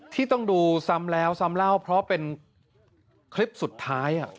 ที่ต้องดูซ้ำแล้วซ้ำเล่าเพราะเป็นคลิปสุดท้าย